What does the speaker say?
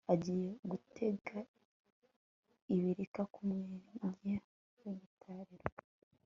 agiye gutega ibirika ku mwenge w'igitariro